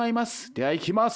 ではいきます」。